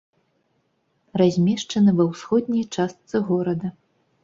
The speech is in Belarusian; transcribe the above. Размешчаны ва ўсходняй частцы горада.